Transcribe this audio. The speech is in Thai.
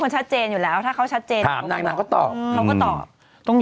ชัดเจนอยู่แล้วถ้าเขาชัดเจนถามนางนางก็ตอบเขาก็ตอบต้อง